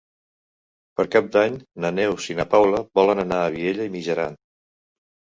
Per Cap d'Any na Neus i na Paula volen anar a Vielha e Mijaran.